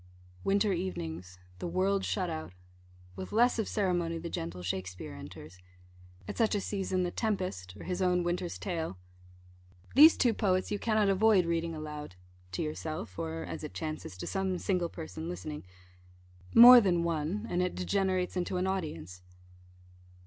Winter evenings the world shut out with less of ceremony the gentle Shakspeare enters. At such a season, the Tempest, or his own Winter's Tale These two poets you cannot avoid reading aloud to yourself, or (as it chances) to some single person listening. More than one and it degenerates into an audience.